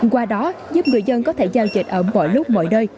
qua đó giúp người dân có thể giao dịch ở mọi lúc mọi nơi